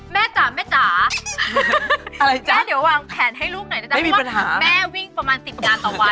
จ๋าแม่จ๋าแม่เดี๋ยววางแผนให้ลูกหน่อยนะจ๊ะเพราะว่าแม่วิ่งประมาณ๑๐งานต่อวัน